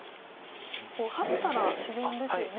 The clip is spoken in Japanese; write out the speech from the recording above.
ハッたら自然ですよね。